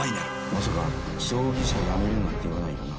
まさか葬儀社やめるなんて言わないよな。